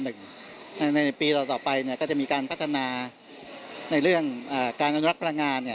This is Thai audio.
ในปีต่อไปก็จะมีการพัฒนาในเรื่องการอนุรักษ์พลังงาน